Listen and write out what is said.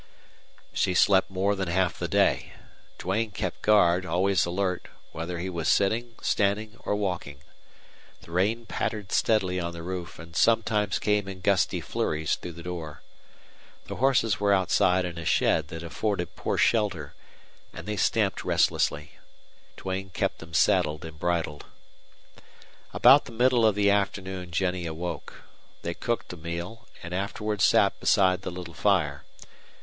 She slept more than half the day. Duane kept guard, always alert, whether he was sitting, standing, or walking. The rain pattered steadily on the roof and sometimes came in gusty flurries through the door. The horses were outside in a shed that afforded poor shelter, and they stamped restlessly. Duane kept them saddled and bridled. About the middle of the afternoon Jennie awoke. They cooked a meal and afterward sat beside the little fire.